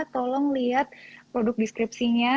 tolong lihat produk deskripsinya